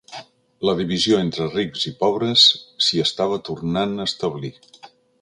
La divisió entre rics i pobres s'hi estava tornant a establir.